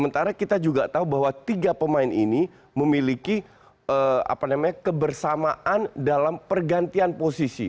dan kita juga tahu bahwa tiga pemain ini memiliki kebersamaan dalam pergantian posisi